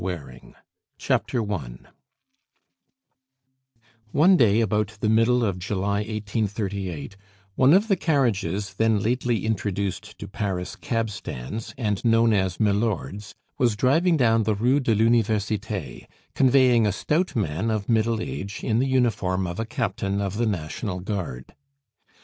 COUSIN BETTY One day, about the middle of July 1838, one of the carriages, then lately introduced to Paris cabstands, and known as Milords, was driving down the Rue de l'Universite, conveying a stout man of middle height in the uniform of a captain of the National Guard.